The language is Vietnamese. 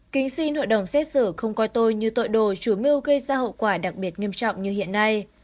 kính xin hội đồng xét xử không coi tôi như tội đồ chủ mưu gây ra hậu quả đặc biệt nghiêm trọng như hiện nay